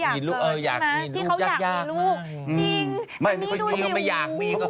ที่เขาอยากเกิดใช่ไหมที่เขาอยากมีลูกจริงอันนี้ดูหิว